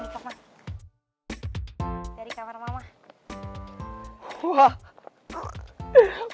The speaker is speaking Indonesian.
aku udah berhasil ngambil